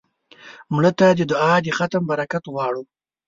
مړه ته د دعا د ختم برکت غواړو